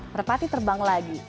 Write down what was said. merpati terbang lagi